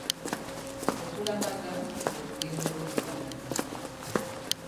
Okulamaga lwe lugendo lw'omulamazi.